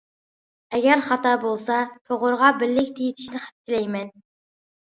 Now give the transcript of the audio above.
ئەگەر خاتا بولسا توغرىغا بىرلىكتە يېتىشنى تىلەيمەن.